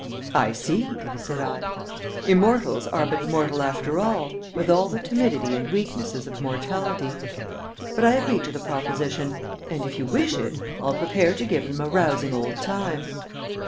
"I see," said I. "Immortals are but mortal after all, with all the timidity and weaknesses of mortality. But I agree to the proposition, and if you wish it I'll prepare to give them a rousing old time."